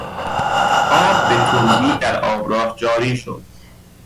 آب به تندی در آبراه جاری شد.